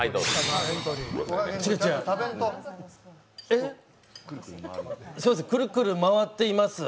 え、くるくる回っています。